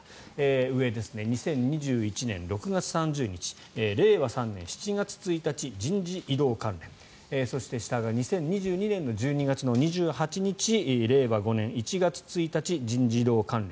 上、２０２１年６月３０日「令和３年７月１日人事異動関連」そして、下が２０２２年の１２月２８日「令和５年１月１日人事異動関連」。